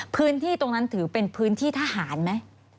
พื้นที่ตรงนั้นถือเป็นพื้นที่ทหารไหม